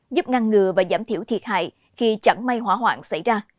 giúp ngăn ngừa và giảm thiểu thiệt hại khi chẳng may hỏa hoạn xảy ra